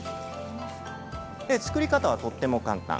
作り方はとっても簡単。